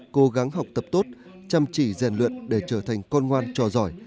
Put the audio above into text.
cố gắng học tập tốt chăm chỉ rèn luyện để trở thành con ngoan trò giỏi